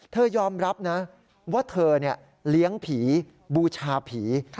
ยอมรับนะว่าเธอเลี้ยงผีบูชาผี